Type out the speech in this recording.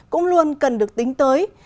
cũng luôn cần được tính tới